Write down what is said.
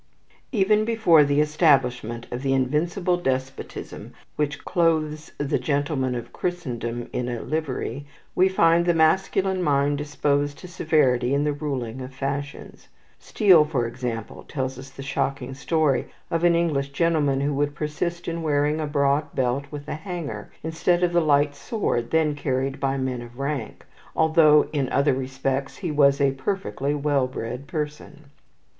Even before the establishment of the invincible despotism which clothes the gentlemen of Christendom in a livery, we find the masculine mind disposed to severity in the ruling of fashions. Steele, for example, tells us the shocking story of an English gentleman who would persist in wearing a broad belt with a hanger, instead of the light sword then carried by men of rank, although in other respects he was a "perfectly well bred person."